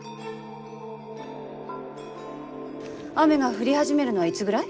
雨が降り始めるのはいつぐらい？